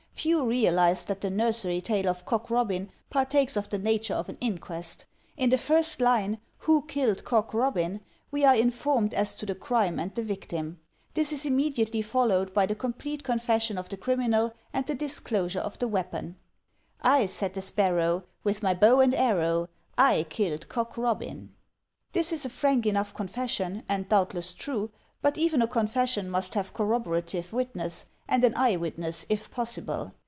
Few realize that the nursery tale of Cock Robin partakes of the nature of an inquest. In the first line, "Who killed Cock Robin?" we are informed as to the crime and the victim. This is immediately fol lowed by the complete confession of the criminal and the disclosure of the weapon: EVIDENCE 257 ''I," said the sparrow, ''With my bow and arrow; I yiled Cock Robin" This is a frank enough confession, and doubtless true; but even a confession must have corroborative witness, and an eye witness, if possible.